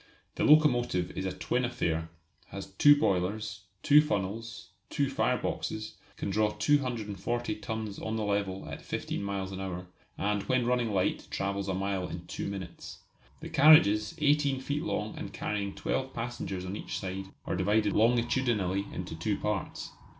The locomotive is a twin affair; has two boilers, two funnels, two fireboxes; can draw 240 tons on the level at fifteen miles an hour, and when running light travels a mile in two minutes. The carriages, 18 feet long and carrying twelve passengers on each side, are divided longitudinally into two parts.